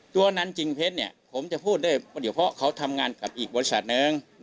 ตัวนันกิ่งเพชรผมจะพูดด้วยเดี๋ยวเขาทำงานกับอีกบริษัทหนึ่ง